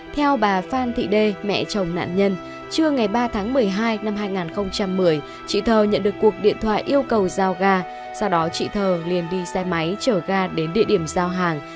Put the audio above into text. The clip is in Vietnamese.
theo bà phan thị đê mẹ chồng nạn nhân trưa ngày ba tháng một mươi hai năm hai nghìn một mươi chị thơ nhận được cuộc điện thoại yêu cầu giao ga sau đó chị thơ liền đi xe máy chở ga đến địa điểm giao hàng